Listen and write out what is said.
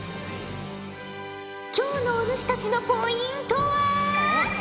今日のお主たちのポイントは。